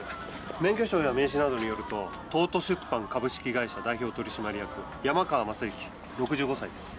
免許証や名刺などによると東都出版株式会社代表取締役山川雅行６５歳です。